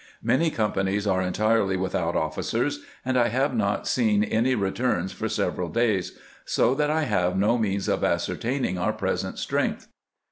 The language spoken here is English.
Many companies are entirely without officers, and I have not seen any returns for several days, so that I have no means of ascertaining our present strength."